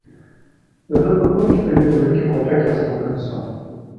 د ده په کور کې په یوې وړوکې کوټه کې استوګن شوم.